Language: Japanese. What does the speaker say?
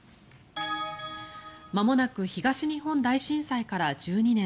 まもなく東日本大震災から１２年。